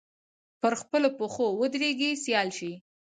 پر خپلو پښو ودرېږي سیال شي